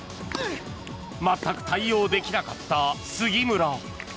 全く対応できなかった杉村。